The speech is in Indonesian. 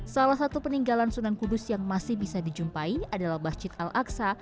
salah satu peninggalan sunan kudus yang masih bisa dijumpai adalah masjid al aqsa